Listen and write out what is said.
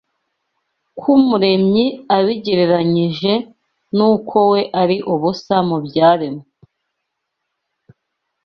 kw’Umuremyi abigereranyije n’uko we ari ubusa mu byaremwe